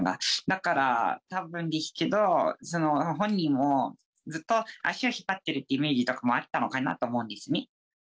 だから多分ですけど本人もずっと足を引っ張ってるっていうイメージとかもあったのかなと思うんですね。